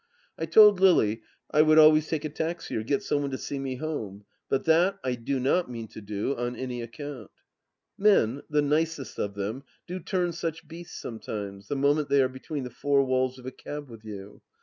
... I told Lily I would always take a taxi or get some one to see me home, but that I do not mean to do, on any account. Men, the nicest of them, do turn such beasts, sometimes, the moment they are between the four walls of a cab with you.